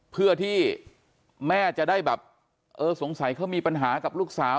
เพื่อที่แม่จะได้แบบเออสงสัยเขามีปัญหากับลูกสาว